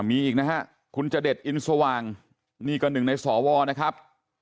มีอีกนะฮะคุณจเดชอินสว่างนี่ก็หนึ่งในสวนะครับ